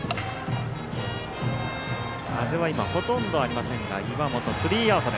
風はほとんどありませんが岩本とってスリーアウト。